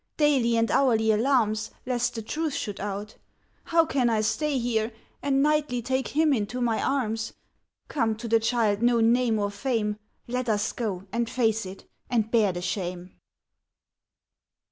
Daily and hourly alarms Lest the truth should out. How can I stay here, And nightly take him into my arms! Come to the child no name or fame, Let us go, and face it, and bear the shame."